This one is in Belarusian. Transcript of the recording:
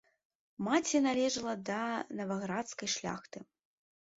Маці належала да наваградскай шляхты.